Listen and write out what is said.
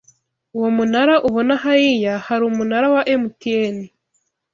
Uwo munara ubona hariya hari umunara wa mtn